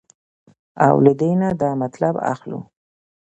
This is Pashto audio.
او له دې نه دا مطلب اخلو